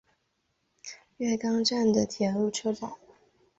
月冈站的铁路车站。